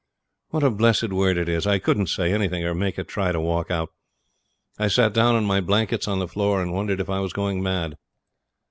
What a blessed word it is! I couldn't say anything, or make a try to walk out. I sat down on my blankets on the floor, and wondered if I was going mad.